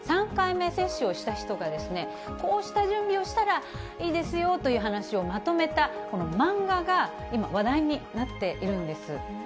３回目接種をした人が、こうした準備をしたらいいですよという話をまとめた、この漫画が今、話題になっているんです。